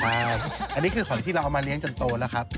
ไม่ใช่อันนี้คือหอยที่เราเอามาเลี้ยงจนโตแล้วครับ